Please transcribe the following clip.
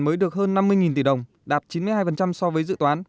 mới được hơn năm mươi tỷ đồng đạt chín mươi hai so với dự toán